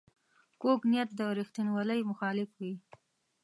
کوږ نیت د ریښتینولۍ مخالف وي